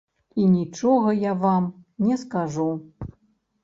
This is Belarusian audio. І нічога я вам не скажу.